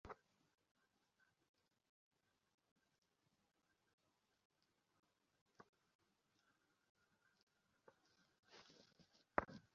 কিন্তু তার সাথে কি কোনোভাবে কথা বলতে পারি?